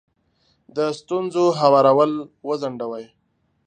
د ستونزو هوارول وځنډوئ.